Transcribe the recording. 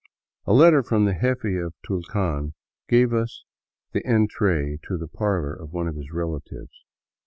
A letter from the jefe of Tulcan gave us the entree to the parlor of one of his relatives.